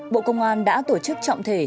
bộ công an đã tổ chức trọng thể